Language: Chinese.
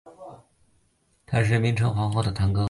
他是明成皇后的堂哥。